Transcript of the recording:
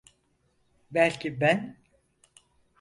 Belki ben…